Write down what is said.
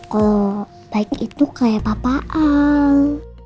kalau baik itu kayak papa al